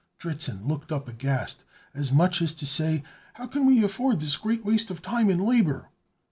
Dritzhn looked up aghast, as much as to say, "How can we afford this great waste of time and labor?"